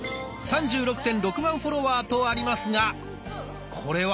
３６．６万フォロワーとありますがこれは？